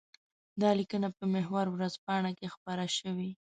دا لیکنه په محور ورځپاڼه کې خپره شوې.